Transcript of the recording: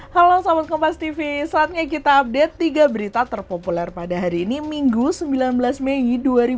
halo selamat kompas tv saatnya kita update tiga berita terpopuler pada hari ini minggu sembilan belas mei dua ribu dua puluh